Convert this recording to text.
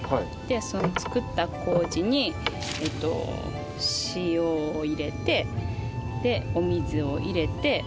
その作った麹に塩を入れてでお水を入れて。